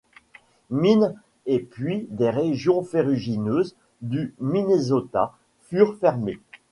Mines et puits des régions ferrugineuses du Minnesota furent fermés.